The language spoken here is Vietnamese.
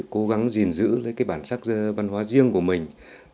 cố gắng giữ bản sắc văn hóa riêng của mình